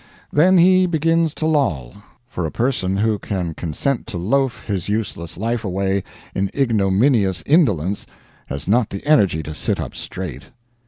Then he begins to loll for a person who can consent to loaf his useless life away in ignominious indolence has not the energy to sit up straight.